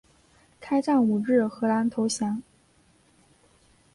开战五日荷兰投降。